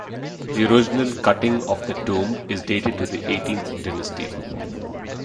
The original cutting of the tomb is dated to the Eighteenth dynasty.